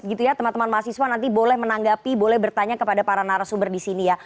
gitu ya teman teman mahasiswa nanti boleh menanggapi boleh bertanya kepada para narasumber di sini ya